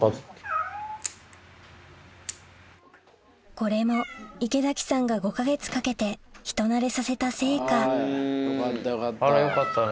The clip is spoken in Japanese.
これも池崎さんが５か月かけて人なれさせた成果あらよかったね。